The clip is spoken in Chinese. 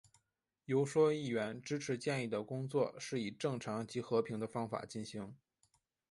游说议员支持建议的工作是以正常及和平的方法进行。